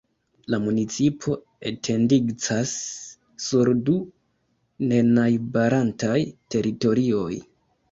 La municipo etendigcas sur du nenajbarantaj teritorioj.